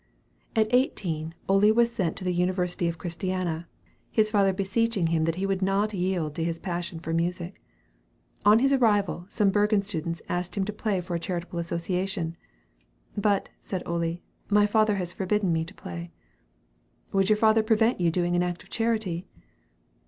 At eighteen, Ole was sent to the University of Christiana, his father beseeching him that he would not yield to his passion for music. On his arrival, some Bergen students asked him to play for a charitable association. "But," said Ole, "my father has forbidden me to play." "Would your father prevent your doing an act of charity?"